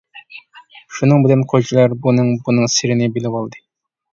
شۇنىڭ بىلەن قويچىلار بۇنىڭ بۇنىڭ سىرىنى بىلىۋالدى.